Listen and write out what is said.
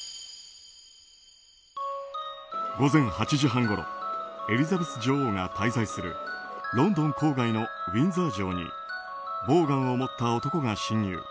午前８時半ごろエリザベス女王が滞在するロンドン郊外のウィンザー城にボーガンを持った男が侵入。